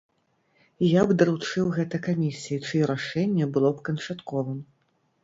Я б даручыў гэта камісіі, чыё рашэнне было б канчатковым.